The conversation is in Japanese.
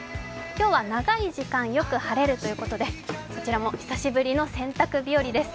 今日は長い時間よく晴れるということでこちらも久しぶりの洗濯日和です。